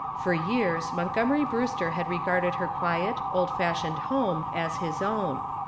For years Montgomery Brewster had regarded her quiet, old fashioned home as his own.